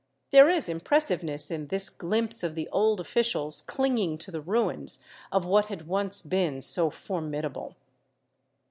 ^ There is impressiveness in this glimpse of the old officials clinging to the ruins of what had once been so formidable.